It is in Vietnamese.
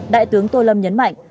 đại tướng tô lâm nhấn mạnh